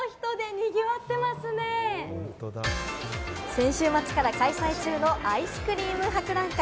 先週末から開催中のアイスクリーム博覧会。